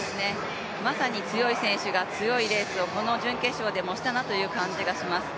まさに強い選手が強いレースをこの準決勝でもしたなという感じがします。